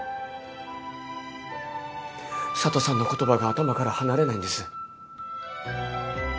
佐都さんの言葉が頭から離れないんです。